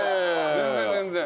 全然全然。